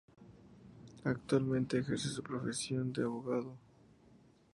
Actualmente ejerce su profesión de abogado.